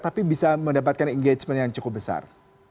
tapi bisa mendapatkan engagement yang cukup besar